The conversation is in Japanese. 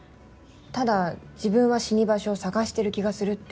ただ「自分は死に場所を探してる気がする」って。